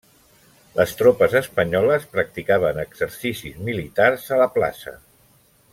Les tropes espanyoles practicaven exercicis militars a la plaça.